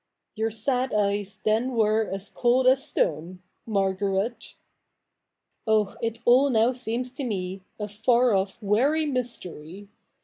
Your sad eyes then we7 e cold as stone, Margaret. Oh, it all now seems to me A far off weary mysteiy